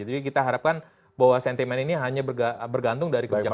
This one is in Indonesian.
jadi kita harapkan bahwa sentimen ini hanya bergantung dari kebijakan trump